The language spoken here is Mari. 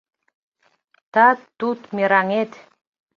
Тат-тут мераҥет